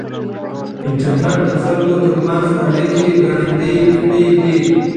انټرنېټ د خلکو ترمنځ اړیکې ګړندۍ کړې دي.